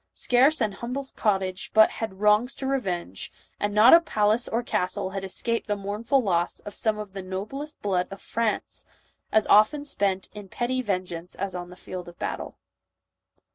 Scarce an humble" cottage but had wrongs to revenge, and not a palace or castle had escaped the mournful loss of some of the noblest blood of France, JOAN OF ABC. 143 as often spent in petty vengeance as on the field of battle.